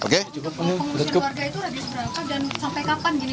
pengungsian warga itu lagi seberapa dan sampai kapan gini pak